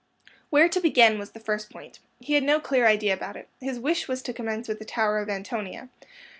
Where to begin was the first point. He had no clear idea about it. His wish was to commence with the Tower of Antonia.